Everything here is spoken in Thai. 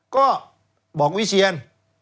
ก็บอกวิเชียน